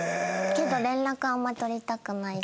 けど連絡あんま取りたくないし。